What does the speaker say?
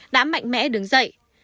đã mạnh mẽ đứng dậy